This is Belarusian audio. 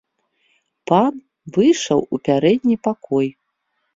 Пан выйшаў у пярэдні пакой.